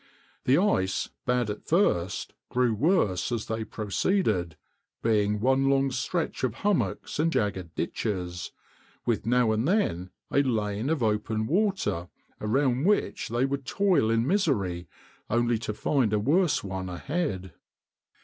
The ice, bad at first, grew worse as they proceeded, being one long stretch of hummocks and jagged ditches, with now and then a lane of open water around which they would toil in misery only to find a worse one ahead.